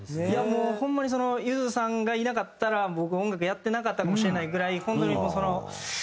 いやもうホンマにそのゆずさんがいなかったら僕音楽やってなかったかもしれないぐらい本当にその。